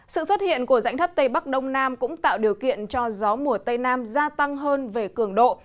sự xuất hiện của rãnh thấp tây bắc đông nam cũng tạo điều kiện cho gió mùa tây nam gia tăng hơn về cường độ